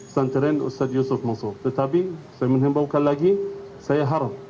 saya mengimbaukan lagi saya haram